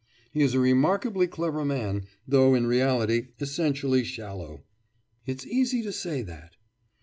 'He is a remarkably clever man, though in reality essentially shallow.' 'It's easy to say that.